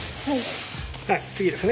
はい次ですね。